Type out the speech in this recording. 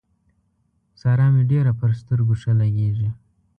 سارا مې ډېره پر سترګو ښه لګېږي.